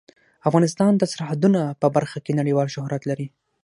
افغانستان د سرحدونه په برخه کې نړیوال شهرت لري.